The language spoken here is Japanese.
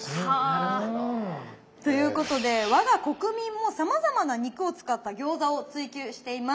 なるほど。ということで我が国民もさまざまな肉を使った餃子を追求しています。